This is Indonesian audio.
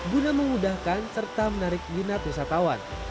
guna memudahkan serta menarik minat wisatawan